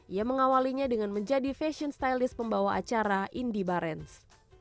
ia mengawalnya dengan menjadi fashion stylist pembawa acara indie barens